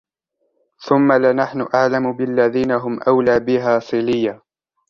ثُمَّ لَنَحْنُ أَعْلَمُ بِالَّذِينَ هُمْ أَوْلَى بِهَا صِلِيًّا